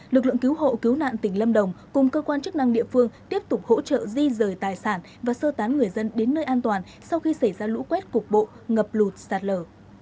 lực lượng cứu hộ cứu nạn tỉnh lâm đồng cùng cơ quan chức năng địa phương tiếp tục hỗ trợ di rời tài sản và sơ tán người dân đến nơi an toàn sau khi xảy ra lũ quét cục bộ ngập lụt sạt lở